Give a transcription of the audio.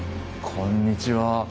こんにちは。